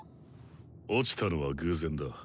落ちたのは偶然だ。